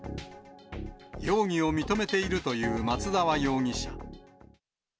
容疑を認めているという松沢容疑者。